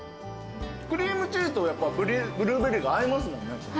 クリームチーズとブルーベリーが合いますもんね。